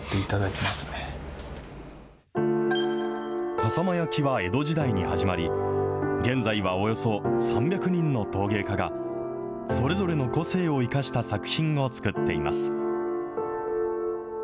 笠間焼は江戸時代に始まり、現在はおよそ３００人の陶芸家が、それぞれの個性を生かした作品を作っています。